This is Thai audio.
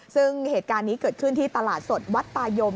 ซึ่งเหตุการณ์นี้เกิดขึ้นที่ตลาดสดวัดตายม